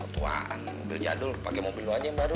tuan mobil jadul pakai mobil lo aja yang baru